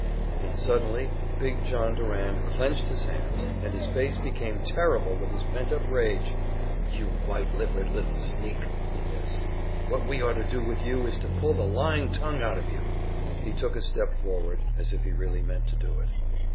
And suddenly big John Durand clenched his hands, and his face became terrible with his pent up rage. "You white livered little sneak!" he hissed. "What we ought to do with you is to pull the lying tongue out of you!" He took a step forward, as if he really meant to do it.